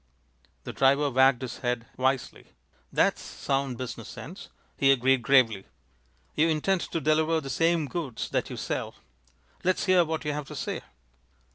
The driver wagged his head wisely. "That's sound business sense," he agreed, gravely. "You intend to deliver the same goods that you sell. Let's hear what you have to say."